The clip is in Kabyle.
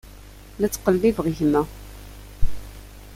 La ttqellibeɣ gma.